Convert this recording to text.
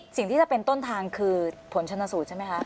สิ่งที่จะเป็นต้นทางคือผลชนสูตรใช่ไหมคะ